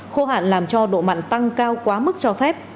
khô hạn làm cho độ mặn tăng cao quá mức cho phép